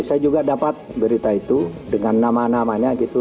saya juga dapat berita itu dengan nama namanya gitu